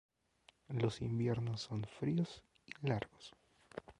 Los inviernos son fríos y largos.